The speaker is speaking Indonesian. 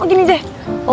oh gini deh